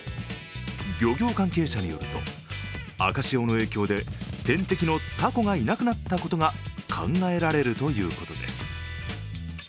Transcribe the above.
漁業関係者によると赤潮の影響で天敵のたこがいなくなったことが考えられるということです。